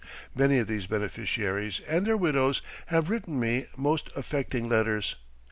Many of these beneficiaries and their widows have written me most affecting letters.